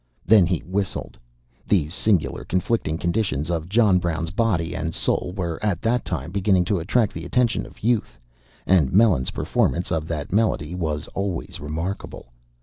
Then he whistled. The singular conflicting conditions of John Brown's body and soul were at that time beginning to attract the attention of youth, and Melons's performance of that melody was always remarkable.